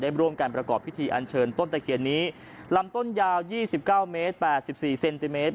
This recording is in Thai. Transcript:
ได้ร่วมกันประกอบพิธีอันเชิญต้นตะเขียนนี้ลำต้นยาวยี่สิบเก้าเมตรแปดสิบสี่เซนติเมตร